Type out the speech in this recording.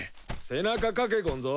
背中かけゴンゾ。